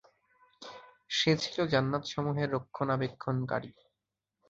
সে ছিল জান্নাতসমূহের রক্ষণাবেক্ষণকারী।